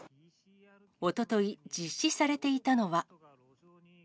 おととい、実施されていたのは。